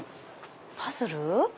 パズル？